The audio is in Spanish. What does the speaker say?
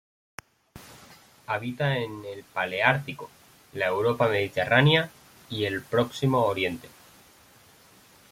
Habita en el paleártico: la Europa mediterránea y el Próximo Oriente.